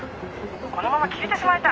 このまま消えてしまいたい。